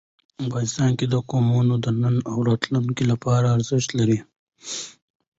افغانستان کې قومونه د نن او راتلونکي لپاره ارزښت لري.